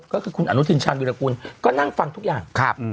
ก็คือคุณอนุทินชาญวิรากูลก็นั่งฟังทุกอย่าง